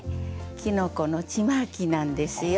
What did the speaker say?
きのこのちまきなんですよ。